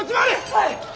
はい！